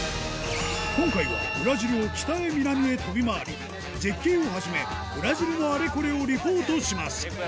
今回は、ブラジルを北へ南へ飛び回り、絶景をはじめ、ブラジルのあれこれをリポートします。